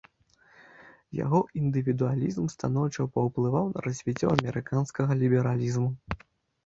Яго індывідуалізм станоўча паўплываў на развіццё амерыканскага лібералізму.